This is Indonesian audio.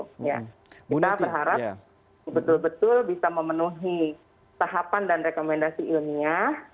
kita berharap betul betul bisa memenuhi tahapan dan rekomendasi ilmiah